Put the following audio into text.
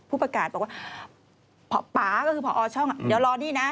ผู้ประกาศบอกว่าป๊าก็คือพอช่องเดี๋ยวรอนี่นะ